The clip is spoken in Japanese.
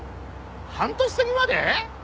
半年先まで！？